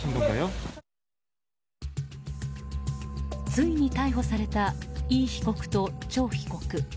ついに逮捕されたイ被告とチョ被告。